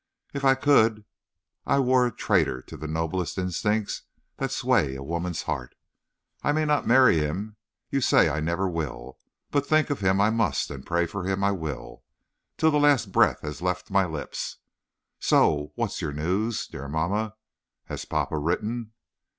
If I could, I were a traitor to the noblest instincts that sway a woman's heart. I may not marry him you say I never will but think of him I must, and pray for him I will, till the last breath has left my lips. So, what is your news, dear mamma? Has papa written?"